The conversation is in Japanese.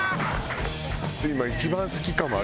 今一番好きかも私。